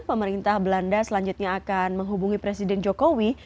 pemerintah belanda selanjutnya akan menghubungi presiden jokowi